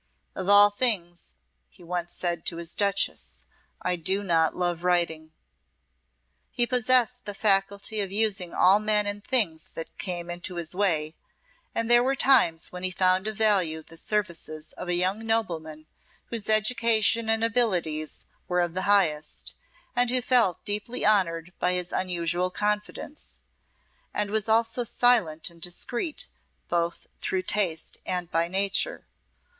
"Of all things," he once said to his Duchess, "I do not love writing." He possessed the faculty of using all men and things that came into his way, and there were times when he found of value the services of a young nobleman whose education and abilities were of the highest, and who felt deeply honoured by his unusual confidence, and was also silent and discreet both through taste and by nature.